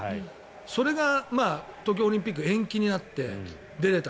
それが東京オリンピックが延期になって出れた。